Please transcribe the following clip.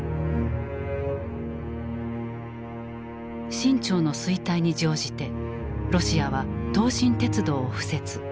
清朝の衰退に乗じてロシアは東清鉄道を敷設。